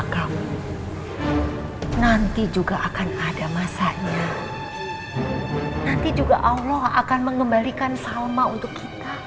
tolong supaya dia masuk ke rumah